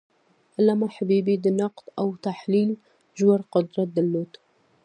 علامه حبیبي د نقد او تحلیل ژور قدرت درلود.